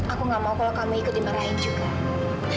aku gak mau kalau kamu ikut dimarahin juga